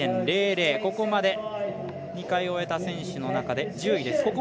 ここまで２回終えた選手の中で１０位です。